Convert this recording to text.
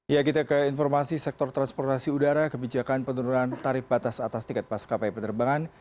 ya kita ke informasi sektor transportasi udara kebijakan penurunan tarif batas atas tiket maskapai penerbangan